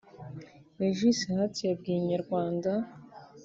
Regis Hat yabwiye Inyarwanda